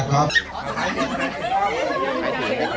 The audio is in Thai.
อาจารย์สะเทือนครูดีศิลปันติน